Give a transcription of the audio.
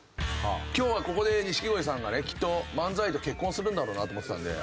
今日はここで錦鯉さんがねきっと漫才と結婚するんだろうなと思ってたんで。